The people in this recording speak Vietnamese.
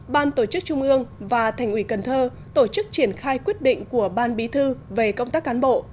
ban tổ chức trung ương và thành ủy cần thơ tổ chức triển khai quyết định của ban bí thư về công tác cán bộ